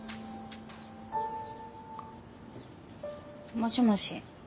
もしもし。